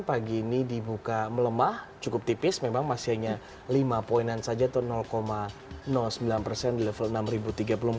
pagi ini dibuka melemah cukup tipis memang masih hanya lima poinan saja atau sembilan persen di level enam tiga puluh empat